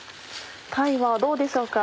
鯛はどうでしょうか。